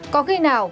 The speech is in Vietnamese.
có khi nào